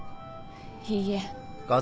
いいえ。